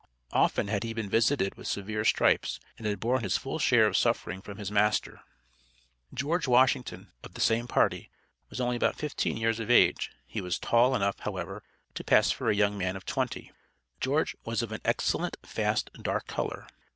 Often had he been visited with severe stripes, and had borne his full share of suffering from his master. George Washington, one of the same party, was only about fifteen years of age; he was tall enough, however, to pass for a young man of twenty. George was of an excellent, fast, dark color.